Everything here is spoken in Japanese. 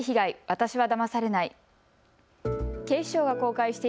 私はだまされない。